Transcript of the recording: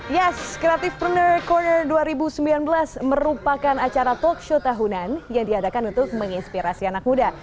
yes creative pruner corner dua ribu sembilan belas merupakan acara talkshow tahunan yang diadakan untuk menginspirasi anak muda